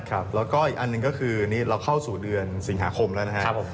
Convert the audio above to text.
ครับแล้วก็อีกอันหนึ่งก็คือนี้เราเข้าสู่เดือนสิงหาคมแล้วนะครับผม